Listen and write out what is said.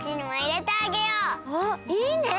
あいいね！